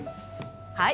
はい！